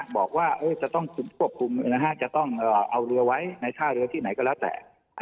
บอกว่าจะต้องควบคุมจะต้องเอาเรือไว้ในท่าเรือที่ไหนก็แล้วแต่